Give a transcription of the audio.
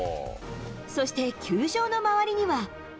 そして球場の周りには。